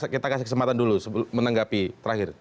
kita kasih kesempatan dulu menanggapi terakhir